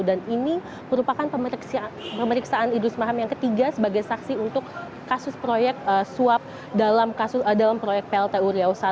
dan ini merupakan pemeriksaan idrus marham yang ketiga sebagai saksi untuk kasus proyek suap dalam proyek plt uriau satu